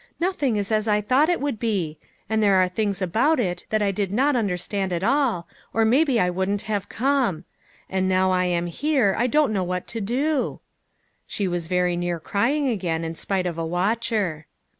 Nothing is as 1 thought it would be ; and there are things about it that I did not under stand at all, or maybe I wouldn't have come ; and now I am here, I don't know what to do." She was very near crying again, in spite of a watcher.